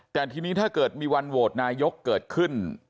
แต่ทีนี้ถ้าเกิดมีวันโหวตนายกเกิดขึ้น